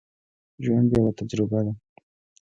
ژوند یوه تجربه ده.